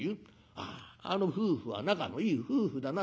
『あああの夫婦は仲のいい夫婦だな』